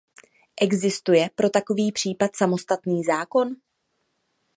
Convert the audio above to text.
Existuje pro takový případ samostatný zákon?